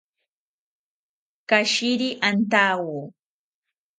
Katshiri antawo